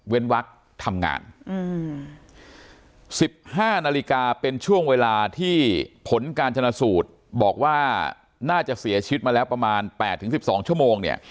วักทำงาน๑๕นาฬิกาเป็นช่วงเวลาที่ผลการชนะสูตรบอกว่าน่าจะเสียชีวิตมาแล้วประมาณ๘๑๒ชั่วโมงเนี่ย